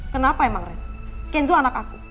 kenapa emang ren kenzo anak aku